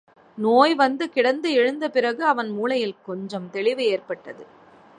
நோய் வந்துகிடந்து எழுந்தபிறகு அவன் மூளையில் கொஞ்சம் தெளிவு ஏற்பட்டது.